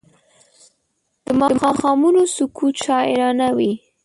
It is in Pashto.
د ماښامونو سکوت شاعرانه وي